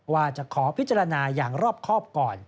ว่าจะขอพิจารณาอย่างรอบครอบก่อน